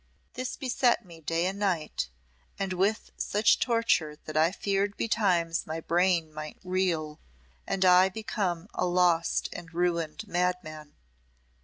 This beset me day and night, and with such torture that I feared betimes my brain might reel and I become a lost and ruined madman.